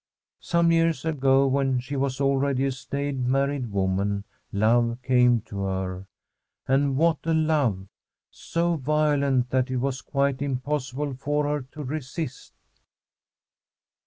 Some years ago, when she was already a staid married woman, love came to her ; and what a love — so violent that it was quite impossible for her to resist.